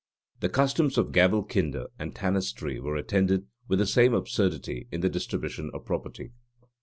The customs of "gavelkinde" and "tanistry" were attended with the same absurdity in the distribution of property.